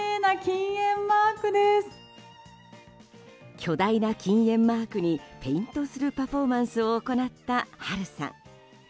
巨大な禁煙マークにペイントするパフォーマンスを行った波瑠さん。